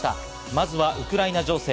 まずはウクライナ情勢。